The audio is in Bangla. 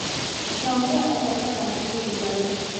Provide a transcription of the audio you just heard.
সঙ্গে আছে একটা প্রাথমিক বিদ্যালয়।